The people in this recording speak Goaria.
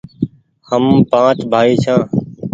هم پآنچ بآئي ڇآن